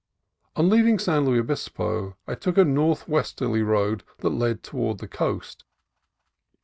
On leaving San Luis Obispo I took a northwesterly road that led toward the coast.